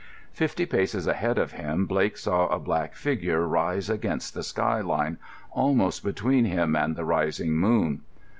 Fifty paces ahead of him Blake saw a black figure rise against the sky line, almost between him and the rising moon.